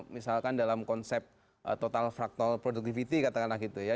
misalkan dalam konsep total factol productivity katakanlah gitu ya